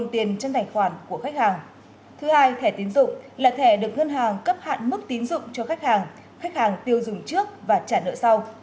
thứ hai thẻ tiến dụng là thẻ được ngân hàng cấp hạn mức tín dụng cho khách hàng khách hàng tiêu dùng trước và trả nợ sau